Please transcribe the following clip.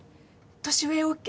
「年上ＯＫ」